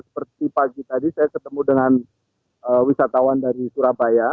seperti pagi tadi saya ketemu dengan wisatawan dari surabaya